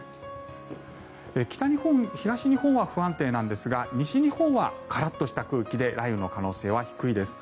北日本、東日本は不安定なんですが西日本はカラッとした空気で雷雨の可能性は低いです。